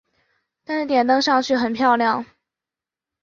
但是点灯上去很漂亮